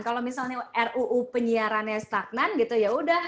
kalau misalnya ruu penyiarannya stagnan gitu yaudah